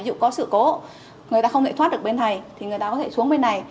dù có sự cố người ta không thể thoát được bên này thì người ta có thể xuống bên này